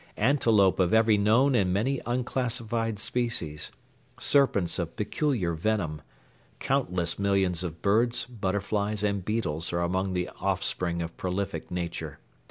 Antelope of every known and many unclassified species; serpents of peculiar venom; countless millions of birds, butterflies, and beetles are among the offspring of prolific Nature.